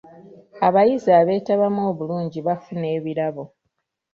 Abayizi abeetabamu obulungi baafuna ebirabo.